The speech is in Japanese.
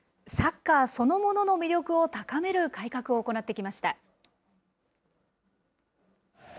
サッカーそのものの魅力を高める改革を行ってきました。